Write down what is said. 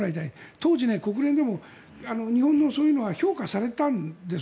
当時、国連でも日本のそういうのは評価されたんです。